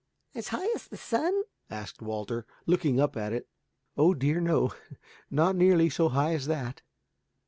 "As high as the sun?" asked Walter, looking up at it. "Oh dear, no, not nearly so high as that."